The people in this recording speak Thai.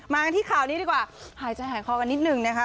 มากันที่ข่าวนี้ดีกว่าหายใจหายคอกันนิดนึงนะคะ